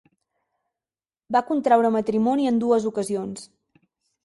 Va contraure matrimoni en dues ocasions.